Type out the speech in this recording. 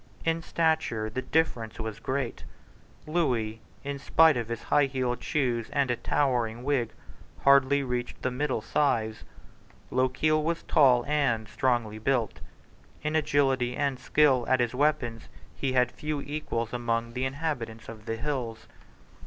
In stature the difference was great. Lewis, in spite of highheeled shoes and a towering wig, hardly reached the middle size. Lochiel was tall and strongly built. In agility and skill at his weapons he had few equals among the inhabitants of the hills.